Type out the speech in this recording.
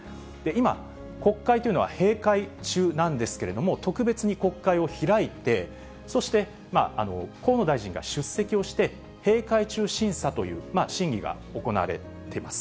今、国会というのは閉会中なんですけれども、特別に国会を開いて、そして河野大臣が出席をして、閉会中審査という審議が行われています。